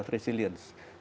resiliensi kesehatan umum